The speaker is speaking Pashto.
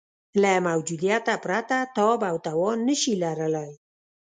له موجودیته پرته تاب او توان نه شي لرلای.